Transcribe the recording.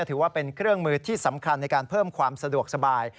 ถือว่าเป็นเครื่องมือที่สำคัญในการเพิ่มความสะดวกสบาย